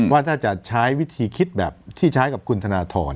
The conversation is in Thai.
ว่าถ้าจะใช้วิธีคิดแบบที่ใช้กับคุณธนทร